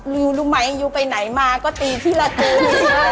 รู้ไหมอยู่ไปไหนมาก็ตีพี่ลาจูน